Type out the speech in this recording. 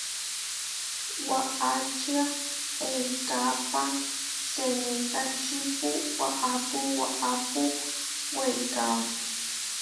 Waʼá čiá eikápa senékačipu waʼápu waʼápu weikáo.